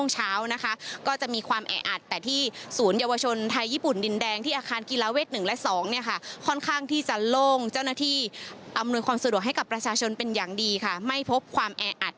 อำนวยความอำนวยความสะดวกให้กับประชาชนเป็นอย่างดีค่ะไม่พบความแออัด